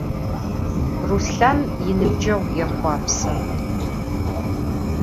Ruslhan yinıbceğu yêxhuapse.